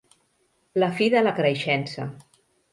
La fi de la creixença.